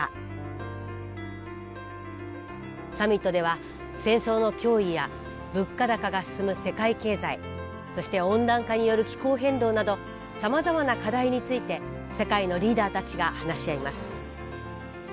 サミットでは戦争の脅威や物価高が進む世界経済そして温暖化による気候変動などさまざまな課題について世界のリーダーたちが話し合います。